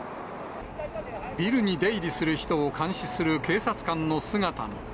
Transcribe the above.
ビルに出入りする人を監視する警察官の姿も。